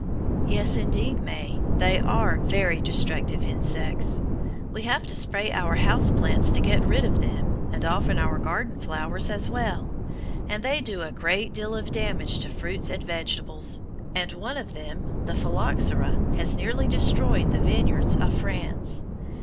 Yes, indeed, May, they are very destructive insects. We have to spray our house plants to get rid of them, and often our garden flowers as well, and they do a great deal of damage to fruits and vegetables, and one of them, the phylloxera, has nearly destroyed the vineyards of France.